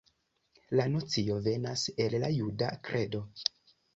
La nocio venas el la juda kredo.